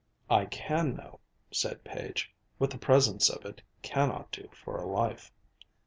"I can know," said Page, "what the presence of it cannot do for a life."